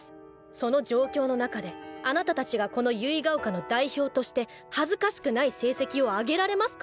その状況の中であなたたちがこの結ヶ丘の代表として恥ずかしくない成績をあげられますか？